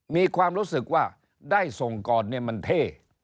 มีความรู้สึกว่าได้ส่งก่อนเนี่ยมันเท่